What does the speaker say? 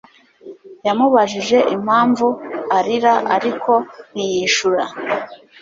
Yamubajije impamvu arira ariko ntiyishura